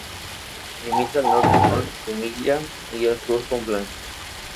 Limita al norte con Jumilla y al sur con Blanca.